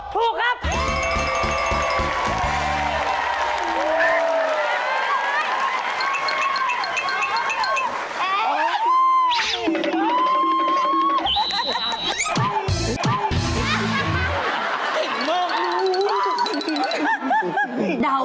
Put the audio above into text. เป็น๑๕๐๐๐บาทเข้ากับทั้งส่วนให้แม่ได้แล้วนะ